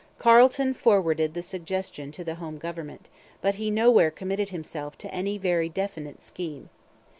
Carleton forwarded the suggestion to the home government; but he nowhere committed himself to any very definite scheme.